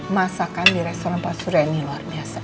masakan di restoran pasuria ini luar biasa